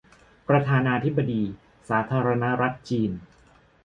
ประธานาธิปดีสาธารณรัฐจีน